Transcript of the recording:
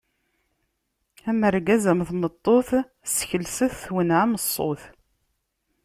Am urgaz am tmeṭṭut, sskelset twennɛem ṣṣut!